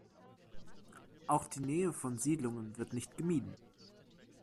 Auch die Nähe von Siedlungen wird nicht gemieden.